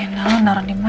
ada yang di sini mbak